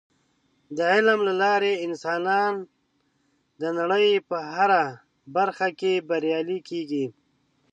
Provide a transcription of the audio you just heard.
د علم له لارې انسانان د نړۍ په هره برخه کې بریالي کیږي.